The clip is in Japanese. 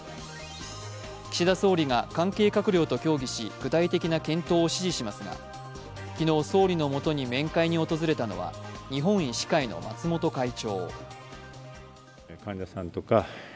岸田総理が関係閣僚と協議し具体的な検討を指示しますが昨日、総理のもとに面会に訪れたのは日本医師会の松本会長。